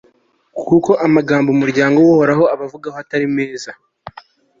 kuko amagambo umuryango w'uhoraho ubavugaho atari meza